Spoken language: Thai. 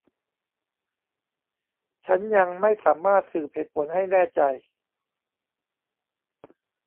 ฉันยังไม่สามารถสืบเหตุผลให้แน่ใจ